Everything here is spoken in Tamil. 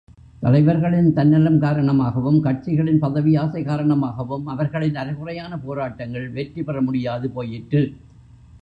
தலைவர்களின் தன்னலம் காரணமாகவும் கட்சிகளின் பதவி ஆசை காரணமாகவும் அவர்களின் அரைகுறையான போராட்டங்கள் வெற்றி பெற முடியாது போயிற்று.